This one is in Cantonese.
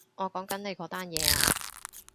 我講緊你嗰單嘢啊